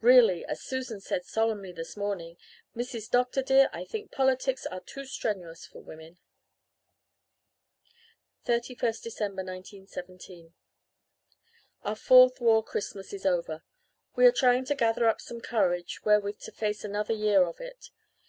Really, as Susan said solemnly this morning, 'Mrs. Dr. dear, I think politics are too strenuous for women.'" 31st December 1917 "Our fourth War Christmas is over. We are trying to gather up some courage wherewith to face another year of it.